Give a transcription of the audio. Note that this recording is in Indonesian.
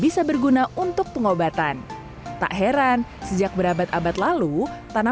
semuanya yang ada di piring ini